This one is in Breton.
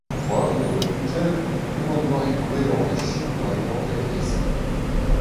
C'hoari gant ho pugel eo an doare gwellañ da sikour anezhañ da greskiñ.